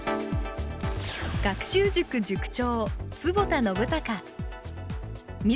学習塾塾長